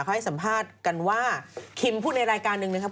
เขาให้สัมภาษณ์กันว่าคิมพูดในรายการหนึ่งนะครับ